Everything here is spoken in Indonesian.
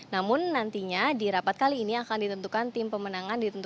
namun nantinya di rapat kali ini akan ditentukan tim pemenangan